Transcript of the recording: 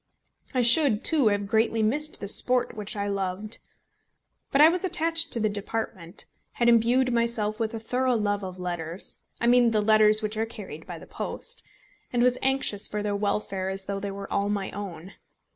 I should, too, have greatly missed the sport which I loved. But I was attached to the department, had imbued myself with a thorough love of letters, I mean the letters which are carried by the post, and was anxious for their welfare as though they were all my own.